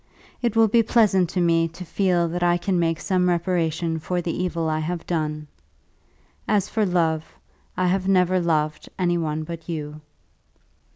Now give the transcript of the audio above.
It will be pleasant to me to feel that I can make some reparation for the evil I have done. As for love, I have never loved any one but you.